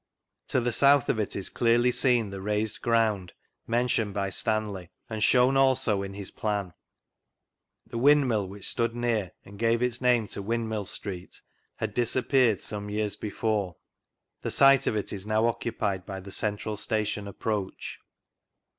To the south (rf it is dearly seen tiie "raised ground " mentioned by Stanley, and shown also in his Plan. The windmill which stood near, and gave its name to Windmill Street, had disappeared some years before. The site of it is now occufned by the Central Station Approach.